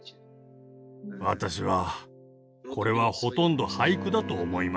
私はこれはほとんど俳句だと思いました。